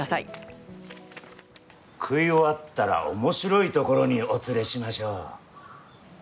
食い終わったら面白い所にお連れしましょう。